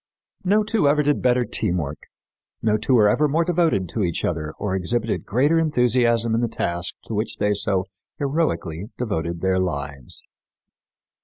No two ever did better "teamwork"; no two were ever more devoted to each other or exhibited greater enthusiasm in the task to which they so heroically devoted their lives.